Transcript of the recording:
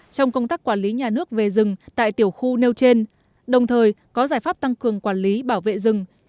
trong công tác quản lý nhà nước về rừng tại tiểu khu nêu trên đồng thời có giải pháp tăng cường quản lý bảo vệ rừng